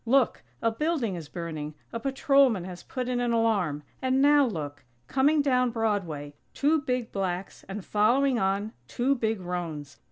Look! A building is burning! A patrolman has put in an alarm! And now look! Coming down Broadway! Two big blacks, and following on, two big roans!